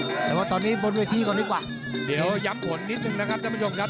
แต่ว่าตอนนี้บนเวทีก่อนดีกว่าเดี๋ยวย้ำผลนิดนึงนะครับท่านผู้ชมครับ